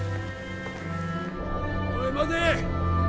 おい待て！